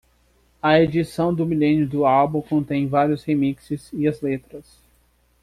A edição do milênio do álbum contém vários remixes e as letras.